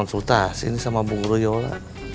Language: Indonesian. mas ini sama bungru yola